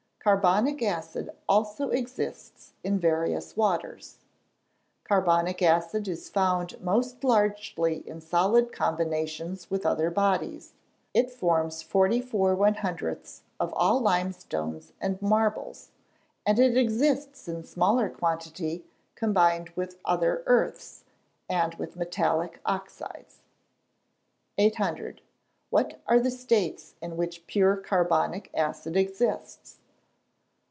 Carbonic acid also exists in various waters. Carbonic acid is found most largely in solid combinations with other bodies: it forms 44 100ths of all limestones and marbles, and it exists in smaller quantity, combined with other earths, and with metallic oxides. 800. _What are the states in which pure carbonic acid exists?